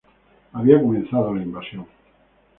Había comenzado la invasión.